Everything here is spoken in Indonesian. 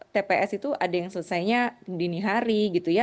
tps itu ada yang selesainya dini hari gitu ya